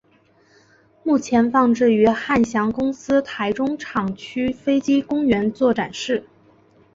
目前放置于汉翔公司台中厂区飞机公园做展示。